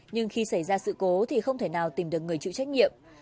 nhưng khi xảy ra sự cố thì không thể nào tìm được người chịu trách nhiệm